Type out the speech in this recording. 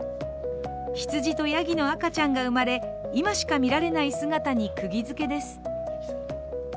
羊とやぎの赤ちゃんが生まれ今しか見られない姿にくぎづけです。